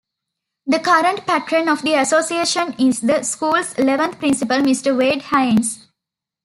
The current Patron of the Association is the school's eleventh Principal, Mr Wade Haynes.